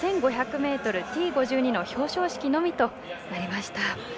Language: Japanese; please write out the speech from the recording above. ｍＴ５２の表彰式のみとなりました。